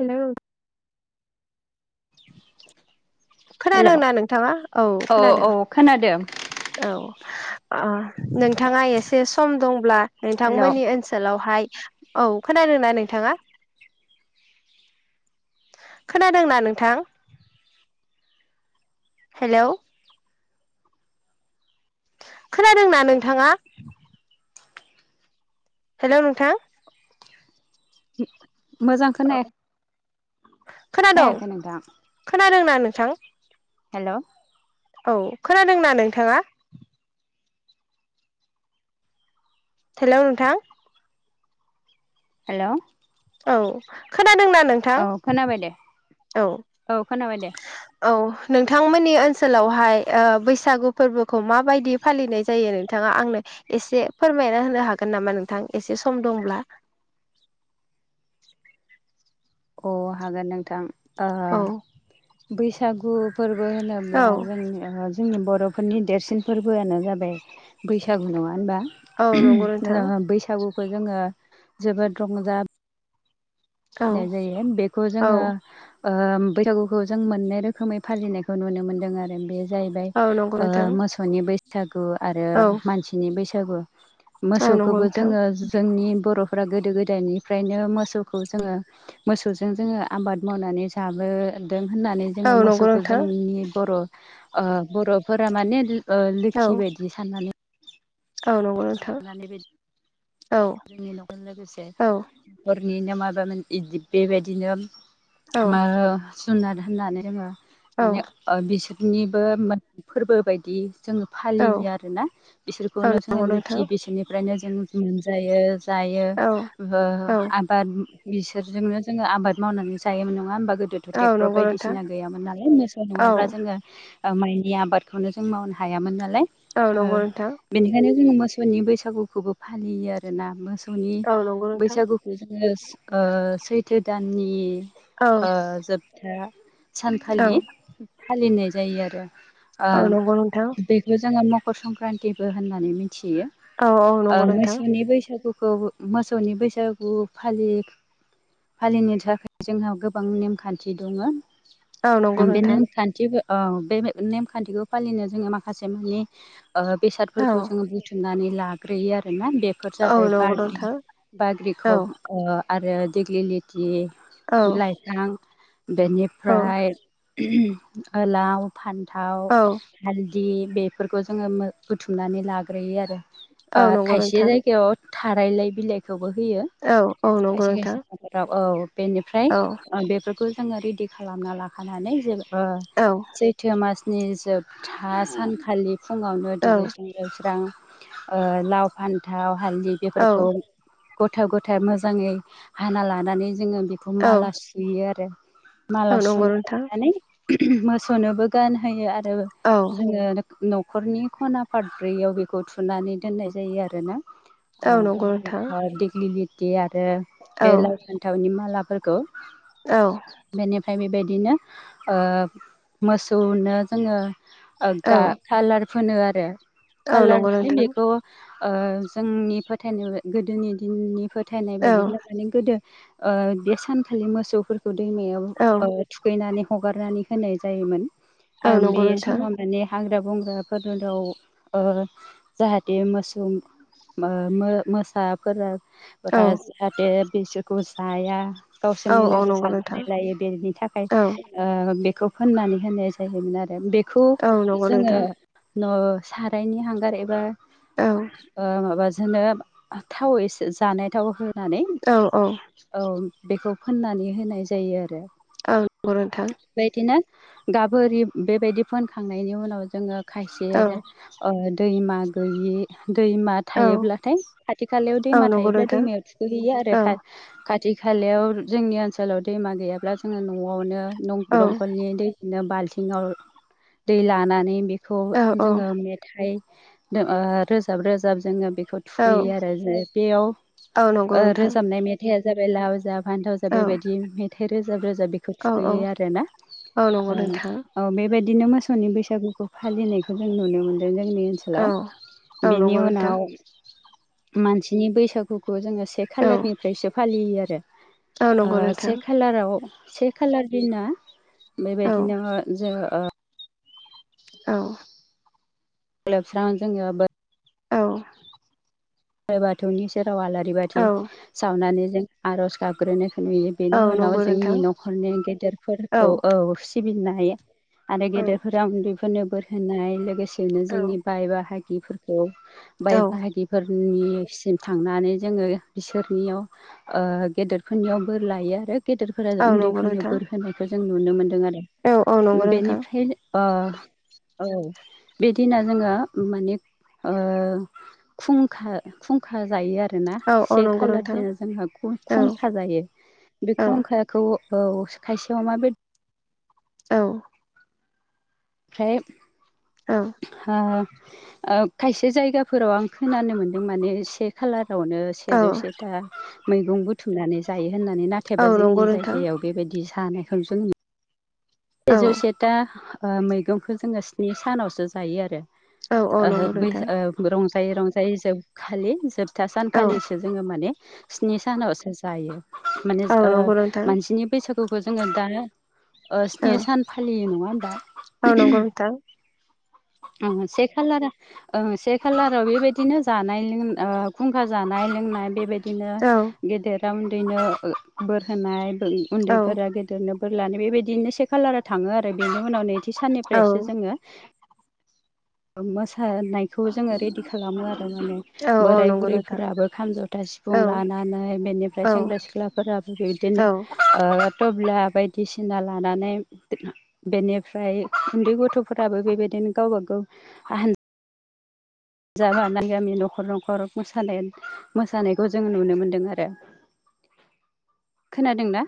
हेल' hello खोनादोंना नोंथाङा? औ खोनादों। खोनादों। औ। ओह नोंथाङा एसे सम दंब्ला हेल' नोंथांमोननि ओनसोलावहाय औ खोनादों ना नोंथाङा? खोनादोंना नोंथां? हेलौ खोनादोंना नोंथाङा? हेलौ नोंथां। मोजां खोनाया खोनादं खोनायाखै नोंथां खोनादोंना नोंथां? हेल' औ खोनादोंना नोंथाङा? हेलौ नोंथां। हेलौ औ खोनादोंना नों औ खोनाबाय दे औ खोनाबाय दे औ नोंथांमोननि ओनसोलावहाय ओ बैसागु फोरबोखौ माबायदि फालिनाय जायो नोंथाङा आंनो एसे फोरमायना होनो हागोन नामा नोंथां एसे सम दंब्ला अ हागोन नोंथां। ओ औ बैसागु फोरबो होनो ब्ला जोंनि ओज जोंनि बर'फोरनि देरसिन फोरबोआनो जाबाय बैसागु नङा होनबा? औ नंगौ नोंथां [inaudible] बैसागुखौ जोङो जोबोद रंजा औ नाय जायो बेखौ औ जोङो ओ बैसागुखौ जों मोननै रोखोमै फालिनायखौ नुनो मोन्दों आरो। बे जाहैबाय औ नंगौ ओ नोंथां मोसौनि बैसागु आरो औ मानसिनि बैसागु औ नंगौ मोसौखौबो नोंथां जोङो जोंनि बर'फ्रा गोदो गोदायनिफ्रायनो मोसौखौ जोङो मोसौजों जोङो आबाद मावनानै जाबो दों होननानै औ जोङो नंगौ मोसौखौ नोंथां जोंनि बर'ओ बर'फोरा माने ओ औ लोखि बायदि साननानै औ नोंगौ लोखि नोंथां। होननानै बायदि औ जोंनि न'खरजों लोगोसे औ न'खरनिनो माबामोन इदि बेबायदिनो औ मो जुनार होननानै जोङो औ माने बिसोरनिबो फोरबो बायदि जोङो औ फालियो आरोना औ बिसोरखौनो जोङो नंगौ नोंथां लोखि बिसोरनिफ्रायनो जों मोनजायो जायो औ औ बा बिसोरजोंनो जोङो आबाद मावनानै जायोमोन नङा होमबा गोदो ' औ ट्रेक्टर नंगौ नोंथां बायदिसिना गैामोन नालाय मोसौ औ नङाब्ला जोङो माइनि आबादखौनो जों मावनो हायामोन नालाय औ नंगौ नोंथां बेनिखायनो जोङो मोसौनि बैसागुखौबो फालियो आरोना। मोसौनि औ नंगौ नोंथां बैसागु जोङो ओ सैथो दाननि औ ओ जोबथा औ सानखालि फालिनाय जायो आरो। ओ औ नंगौ नोंथां बेखौ जोङो मकर संक्रान्तिबो होननानै मिथियो औ औ नंगौ नोंथां नि बैसागुखौ मोसौनि बैसागु फालि फालिनो थाखाय जोंहा गोबां नेमखान्थि दङ औ नंगौ बे नोंथां नेमखान्थि बे नेम खान्थिखौ फालिनो जोङो माखासे मानि औ बेसादफोरखौ जोङो बुथुमनानै लाग्रोयो आरोोना बेफोर औ जाबाय नंगौ बाग्रि नोंथां औ बाग्रिखौ आरो दिेग्लि लथि औ लाइफां बेनिफ्राय गोलाव फान्थाव औ हालद बेफोरखौ जोङो बुथुमनानै लाग्रोयो आरो औ नंगौ खायसे नोंथां जायगायाव याव थारायलाय बिलाइखौबो होयो औ औ नंगौ नोंथां ाव औ बेनिफ्राय औ बेफोरखौ जोङो रेडि खालामना लाखानानै जेबो औ सैथो मासनि जोबथा सानखालि फुङावनो औ दुगैसां ऐवस्रां लाव फान्थाव हालदै बेफोरखौ गथ' गथाय मोजाङै हाना लानानै जोङो बेखौ औ माला सुयो आरो औ माला नंगौ सुना नोंथां लानानै मोसौनोबो गानहोयो आरो औ जोङो न'खरनि खना फादब्रैयाव बेखौ थुनानै दोननाय जायो आरो ब औ नंगौ नोंथां दिग्लि ल आरो बे औ फथावनि मालाफोरखौ औ बेनिफ्राय बेबायदिनो मोसौनो जोङो औ कालार फोनो आरो औ कालार नंगौ माने नोंथां बेखौ जोंनि फोथायनाय गोदोनि दिननि फोथायनाय औ बायदिब्ला मे गोदो बे सानखालि मोसौफोरखौ दैमायाव औ थुखैनानै हगारनानै होनाय जायोमोन औ नंगौ बे नोंथां समाव माने हाग्रा बंग्राफोराव जाहाथे मोसौ ज मोसाफोरा औ जाहाथे बिसोरखौ जाया औ गावसोरनि लोगो नंगौ नोंथां साननानै लायो बेनि औ थाखाय बेखौ फोननानै होनाय जायोमोन आरो बेखौ औ नंगौ जोङो नोंथां न सारायनि हांगार एबा औ माबाजोंनो थाव एसे जानाय थाव होनानै औ औ बेखौ फोननानै होनाय जायो आरो आ गथां बेबायदिनो गाबि बेबायदि फोनखांनायनि उनाव जोङो खायसे औ दैमा गैयि दैमा थायोब्लाथाय खाथि खालायाव औ दैमा नंगौ थायोब्ला दैमायाव नोंथां थुखैहैयो आरो औ खा खाथि खालायाव जोंनि ओनसोलाव दैमा गैयाब्ला जोङो न'आवनो औ दंखलनि दैजोंनो बाल्थिंाव दै लानानै बे खौ औ जोङो औ मेथाइ रोजाब रोजाब जोङो बेखौ थुखैयो आरो ज बेयाव औ नंगौ नोंथां रोजाबनाय मेथाइ मेथाइआ जाबाय लाव जा फान्थाव जा औ बेबायदि मेथाइ रोजाब रोजाब बे बेखो औ औ थुखैयो आरो ना औ नंगौ नोंथां औ बेबायदिनो मोसौनि बैसागुखौ फालिनायखौ जों नुनो मोनदों जोंनि ओनसोलाव औ औ नंगौ बेनि उनाव नोंथां मानसिनि बैसागुखौ जोंङो से औ खालार खालारनिफ्रायसो फालियो आरो औ नंगौ नोंथां से खालाराव खालार दिना बेबायदिनो जोंङो ओ। औ। दुगैस्रां लोबस्रां जोंङो बै। औ। बोराइ बाथौनि सेराव आलारि बाथि औ औ सावनानै जों आर'ज गाबग्रोनो। नुयो औ बेनि उनाव नंगौ जोंनि नोंथां न'खरनि गेदेरफोरखौ औ सिबिनाय आरो औ गेदेरफोराव उन्दैफोरनो बोर होनाय लोगोसेनो जोंनि बाय बाहागि हिफोरखौ बाय औ बाहायगि निसिम थांनानै जोंङो बिसोरनियाव ओ गेदेरफोरनियाव बोर लायो आरो गेदेर फोरा औ नंगौ उन्दैफोरनो नोंथां बोर होनायखौ जों नुनो मोनदों आरो औ औ नंगौ नोंथां बेनिफ्राय ओ औ बे दिना जोङो माने ओ खुंखा खुंखा जायो आरो आरो ना औ औ से नंगौ खालार नोंथां दिना जोंहा औ खुंखा जायो बे औ खुंखा खौ औ खायसे अमा बेदर औ ओमफ्राय औ हा ओ खायसे जायगाफोराव आं खोनानो मोन्दों माने से खालारावनो औ सेजौ सेथा मैगं बुथुमनानै जायो होननानै औ नाथायबा नंगौ जोंनि नोंथां जायगायाव बेबायदि जानायखौ जों औ सेजौसेथा मैगंखौ जोंङो स्नि सानावसो जायो औ औ आरो नंगौ बै नोंथां रंजायै रंजायै जोबखालि जोबथा औ सानखालि जोंङो माने स्नि सानावसो जायो माने औ ओ नंगौ नोंथां मानसिनि बैसागुखौ जोंङो दा औ स्नि सान फालियो नङा होनबा ओ ओम लांदां अ सेेखालारा ओ से खालाराव बेबायदिनो जानाय लोंनाय खुंखा जानाय लोंनाय बेबायदि बिदिनो औ गेदेरा उन्दैनो बोर होनाय औ उन्दैफोरा गेदेरफोरनो गिदिरनि बोर लानाय बेबायदिनो से खालारा थाङो आरो बेनि उनाव नैथि औ साननिफ्रायसो जोङो मोसानायखौ जोङो रेडि खालामो आरो माने औ औ बोराय नंगौ नोंथां बुरैफोराबो खाम जथा औ सिफुं लानानै बेनिफ्राय सेंग्रा औ सिख्लाफोराबो बिदिनो औ थब्ला बायदिसिना लानानै बेनिफ्राय उन्दै गथ'फोराबो बेबायदिनो गावबागाव जा गामि गामि न'खर न'खर मोसानाय मोसानायखौ जों नुनो मोन्दों आरो लांदां खोनादों ना